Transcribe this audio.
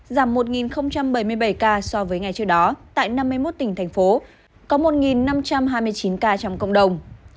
giảm một bảy mươi bảy ca so với ngày trước đó tại năm mươi một tỉnh thành phố có một năm trăm hai mươi chín ca trong cộng đồng